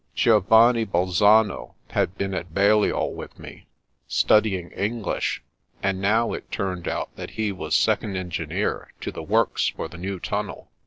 Gio vanni Bolzano had been at Balliol with me, studying English, and now it ttuned out that he was second engineer to the works for the new tunnel.